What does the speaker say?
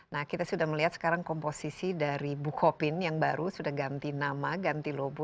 nah kita sudah melihat sekarang komposisi dari bukopin yang baru sudah ganti nama ganti logo